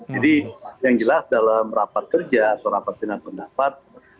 jadi yang jelas dalam rapat kerja atau rapat dengan pendapat